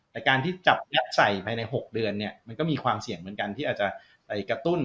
แต่การที่จับยัดใส่ภายใน๖เดือนเนี่ยมันก็มีความเสี่ยงเหมือนกันที่อาจจะไปกระตุ้น